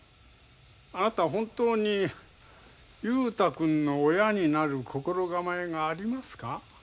あなた本当に雄太君の親になる心構えがありますか？